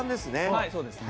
はいそうですね。